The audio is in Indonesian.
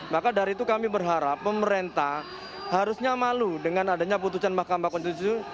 maka dari itu kami berharap pemerintah harusnya malu dengan adanya putusan mahkamah konstitusi